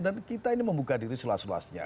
dan kita ini membuka diri selas selasnya